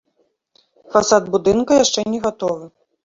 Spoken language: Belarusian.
Фасад будынка яшчэ не гатовы.